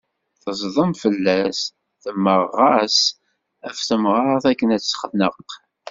Teẓdem fella-s, temmeɣ-as ɣef temgerṭ akken a tt-texneq.